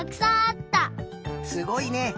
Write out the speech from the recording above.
すごいね。